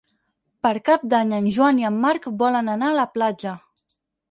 Per Cap d'Any en Joan i en Marc volen anar a la platja.